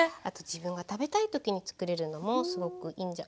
あと自分が食べたい時に作れるのもすごくいい。